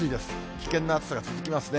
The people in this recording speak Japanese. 危険な暑さが続きますね。